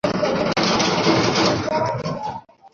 আমাদের সবার নাম পিটার।